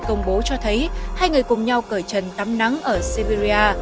công bố cho thấy hai người cùng nhau cởi trần cắm nắng ở siberia